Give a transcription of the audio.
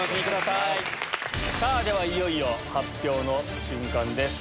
ではいよいよ発表の瞬間です。